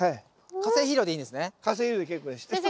化成肥料でいいんですね？